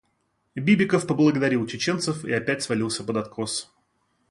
Бибиков поблагодарил чеченцев и опять свалился под откос.